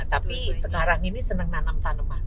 tapi sekarang ini senang nanam tanaman